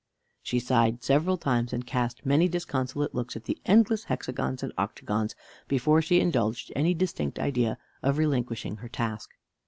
She sighed several times, and cast many disconsolate looks at the endless hexagons and octagons, before she indulged any distinct idea of relinquishing her task.